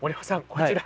こちら。